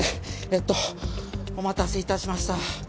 えっとお待たせ致しました。